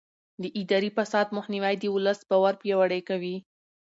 د اداري فساد مخنیوی د ولس باور پیاوړی کوي.